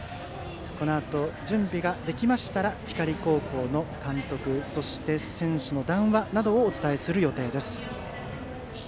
このあと準備ができましたら光高校の監督そして選手の談話などをお伝えする予定です。